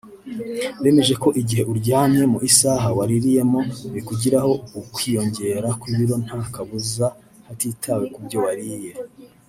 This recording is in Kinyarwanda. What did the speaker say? Bemeje ko igihe uryamye mu isaha waririyemo bikugiraho ukwiyongera kw’ibiro nta kabuza hatitawe ku byo wariye